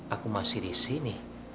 aku masih disini